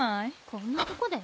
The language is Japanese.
こんなとこで？